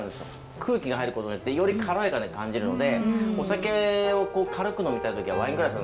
空気が入ることによってより軽やかに感じるのでお酒を軽く呑みたい時はワイングラスで呑めば軽くなるんですよ。